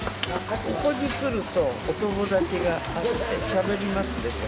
ここに来ると、お友達がいてしゃべりますでしょ。